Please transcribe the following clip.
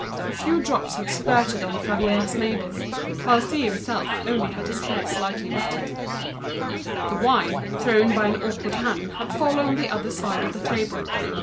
A few drops had spurted on Favier's neighbors, whilst he only had his hair slightly wetted: the wine, thrown by an awkward hand, had fallen the other side of the table.